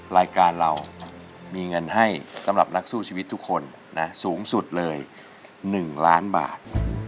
รายการเรามีเงินให้สำหรับนักสู้ชีวิตทุกคนนะสูงสุดเลย๑ล้านบาท